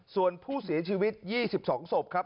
ส่วนผู้เสียชีวิต๒๒ศพครับ